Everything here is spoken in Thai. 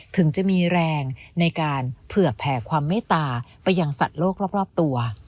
ถึงจะมีแรงในการเผื่อแผ่ความเมตตาไปยังสัตว์โลกรอบตัว